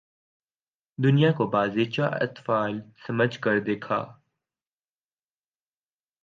دنیا کو بازیچہ اطفال سمجھ کر دیکھا